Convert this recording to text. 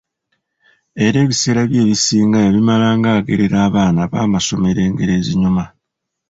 Era ebiseera bye ebisinga yabimalanga agerera abaana b'amasomero engero ezinyuma.